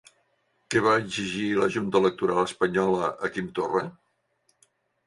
Què va exigir la Junta Electoral espanyola a Quim Torra?